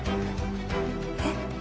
えっ！？